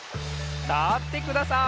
たってください。